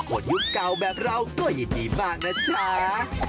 ยุคเก่าแบบเราก็ยินดีบ้างนะจ๊ะ